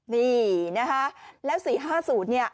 นี่นะคะแล้ว๔๕๐เนี่ย